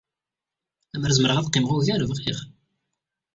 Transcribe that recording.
Amer zemreɣ ad qqimeɣ ugar, bɣiɣ.